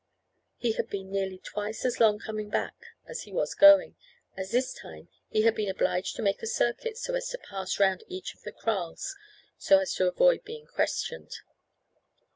He had been nearly twice as long coming back as he was going, as this time he had been obliged to make a circuit so as to pass round each of the kraals, and so to avoid being questioned.